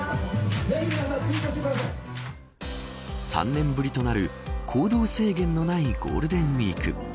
３年ぶりとなる行動制限のないゴールデンウイーク。